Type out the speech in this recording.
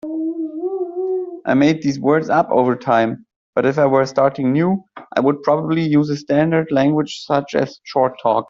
I made these words up over time, but if I were starting new I would probably use a standard language such as Short Talk.